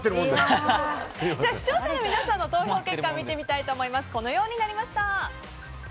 視聴者の皆さんの投票結果見てみたいと思います。